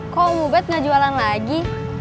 kok omu bet nggak jualan lagi